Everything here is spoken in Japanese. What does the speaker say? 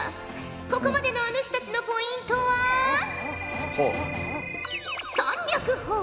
ここまでのお主たちのポイントは３００ほぉ。